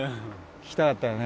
聞きたかったよね。